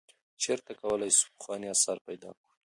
چیرته کولای سو پخوانی آثار پیدا کړو؟